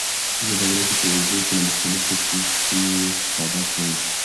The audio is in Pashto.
زه د ورځې په اوږدو کې له مختلفو سنکسونو استفاده کوم.